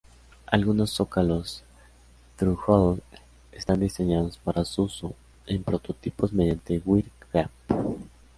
Algunos zócalos "thru-hole" están diseñados para su uso en prototipos mediante "wire wrap".